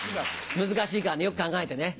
難しいからねよく考えてね。